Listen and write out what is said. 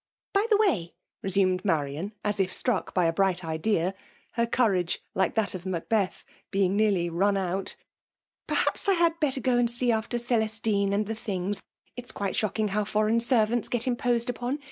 *' By die way,*^ resumed Marian, as if struck by a bright idea, (her courage, like that of Macbeath, being nearly ' run out ;') perhaps I had better go and see afiter C^kstine and Ae tUngs. It is quite shoddng how foreign servants get imposed upon.